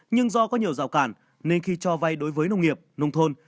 nhưng do có nhiều rào cản nên khi cho vay đối với nông nghiệp nông thôn